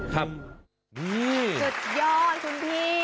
สุดยอดคุณพี่